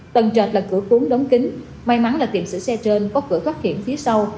tầng trệt là cửa cuốn đóng kính may mắn là tiệm sửa xe trên có cửa thoát hiểm phía sau